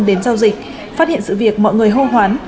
đến giao dịch phát hiện sự việc mọi người hô hoán